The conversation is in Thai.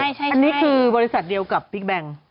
อันนี้คือบริษัทเดียวกับบิ๊กแบงค์